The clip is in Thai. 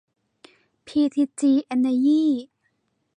พีทีจี เอ็นเนอยี